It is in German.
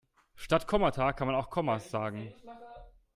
Statt Kommata kann man auch Kommas sagen.